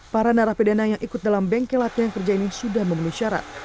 para narapidana yang ikut dalam bengkel latihan kerja ini sudah memenuhi syarat